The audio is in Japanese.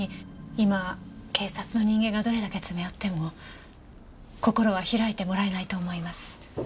今警察の人間がどれだけ詰め寄っても心は開いてもらえないと思います。